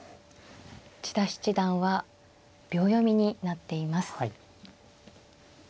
千田七段は秒読みになっています。